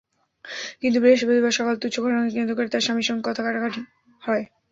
কিন্তু বৃহস্পতিবার সকালে তুচ্ছ ঘটনাকে কেন্দ্র করে তাঁর স্বামীর সঙ্গে কথা-কাটাকাটি হয়।